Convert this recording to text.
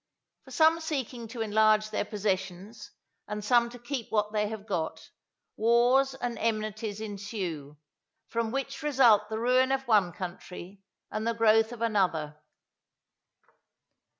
For some seeking to enlarge their possessions, and some to keep what they have got, wars and enmities ensue, from which result the ruin of one country and the growth of another.